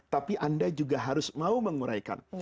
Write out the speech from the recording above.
tapi anda juga harus mau menguraikan